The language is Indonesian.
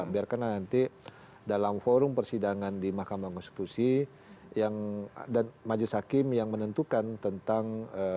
biarkanlah nanti dalam forum persidangan di mahkamah konstitusi dan majelis hakim yang menentukan tentang